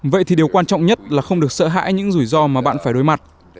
vậy thì điều quan trọng nhất là không được sợ hãi những rủi ro mà bạn phải đối mặt